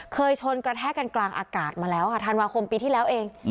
เคยชนกระแทกกันกลางอากาศมาแล้วค่ะธันวาคมปีที่แล้วเอง